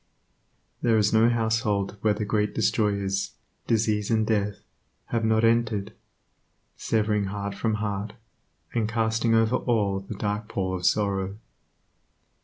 There is no household where the Great Destroyers, disease and death, have not entered, severing heart from heart, and casting over all the dark pall of sorrow.